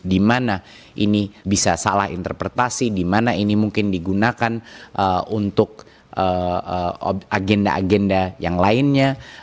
di mana ini bisa salah interpretasi di mana ini mungkin digunakan untuk agenda agenda yang lainnya